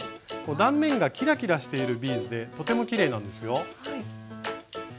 断面がキラキラしているビーズでとてもきれいなんですよ。